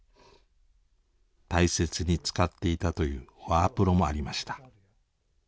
大切に使っていたというワープロもありました。